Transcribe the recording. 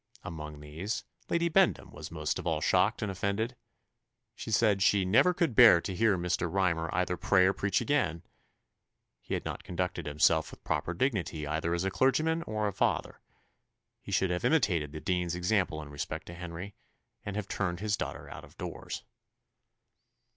Among these, Lady Bendham was most of all shocked and offended: she said she "never could bear to hear Mr. Rymer either pray or preach again; he had not conducted himself with proper dignity either as a clergyman or a father; he should have imitated the dean's example in respect to Henry, and have turned his daughter out of doors."